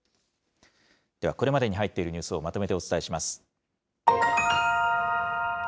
ではこれまでに入っているニュースを、まとめてお伝えします。